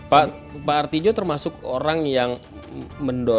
pak artijo termasuk orang yang mendorong